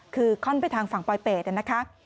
คือค่อนไปทางฝั่งปลอยเป็ดนะคะ